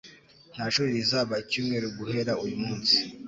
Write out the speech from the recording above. Nta shuri rizaba icyumweru guhera uyu munsi.